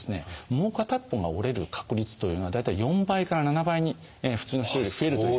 もう片一方が折れる確率というのが大体４倍から７倍に普通の人より増えるという。